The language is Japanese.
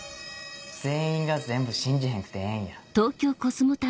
全員が全部信じへんくてええんや。